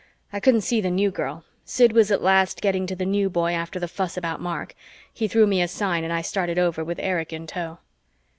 I couldn't see the New Girl. Sid was at last getting to the New Boy after the fuss about Mark. He threw me a sign and I started over with Erich in tow.